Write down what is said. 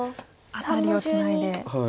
アタリをツナいで。